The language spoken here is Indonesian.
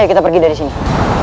ayo kita pergi dari sini